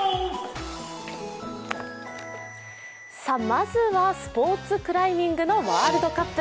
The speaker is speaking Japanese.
まずはスポ−ツクライミングのワールドカップ。